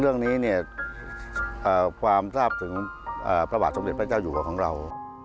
เรื่องนี้เนี่ยความทราบถึงพระบาทสมเด็จพระเจ้าอยู่หัวของเรา